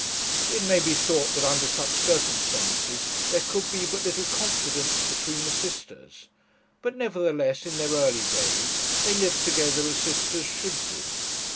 It may be thought that under such circumstances there could be but little confidence between the sisters; but, nevertheless, in their early days, they lived together as sisters should do.